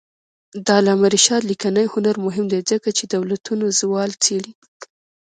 د علامه رشاد لیکنی هنر مهم دی ځکه چې دولتونو زوال څېړي.